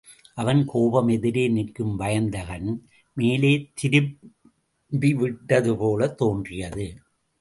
அவன் கோபம் எதிரே நிற்கும் வயந்தகன் மேலே திரும்பிவிட்டதுபோலத் தோன்றியது.